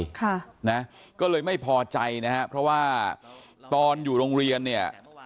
ค่ะนะก็เลยไม่พอใจนะฮะเพราะว่าตอนอยู่โรงเรียนเนี่ย